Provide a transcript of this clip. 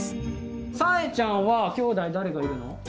さえちゃんはきょうだい誰がいるの？